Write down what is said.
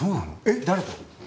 えっ？誰と？